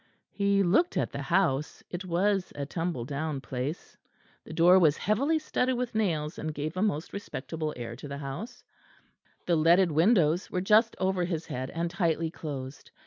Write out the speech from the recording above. He looked at the house. It was a tumble down place; the door was heavily studded with nails, and gave a most respectable air to the house: the leaded windows were just over his head, and tightly closed.